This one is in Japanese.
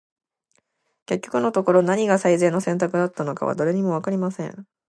•結局のところ、何が最善の選択だったのかは、誰にも分かりません。